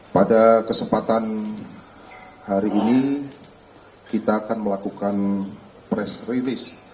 pada kesempatan hari ini kita akan melakukan press release